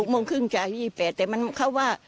โมงครึ่งจาก๒๘แต่มันเข้าว่า